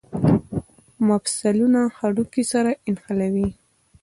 مفصلونه هډوکي سره نښلوي